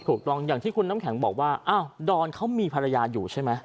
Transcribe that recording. อย่างที่คุณน้ำแข็งบอกว่าอ้าวดอนเขามีภรรยาอยู่ใช่ไหม